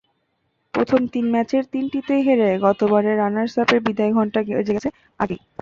প্রথম তিন ম্যাচের তিনটিতেই হেরে গতবারের রানার্সআপদের বিদায়ঘণ্টা বেজে গেছে আগেই।